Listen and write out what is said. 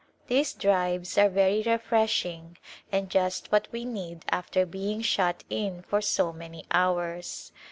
These drives are very refresh ing and just what we need after being shut in for so many hours.